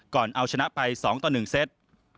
ก่อนเอาชนะไป๒ต่อ๑เซต